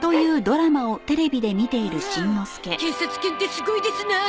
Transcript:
警察犬ってすごいですなあ！